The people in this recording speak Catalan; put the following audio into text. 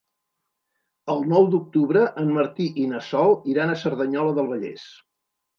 El nou d'octubre en Martí i na Sol iran a Cerdanyola del Vallès.